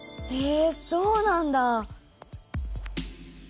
へえそうなんだ。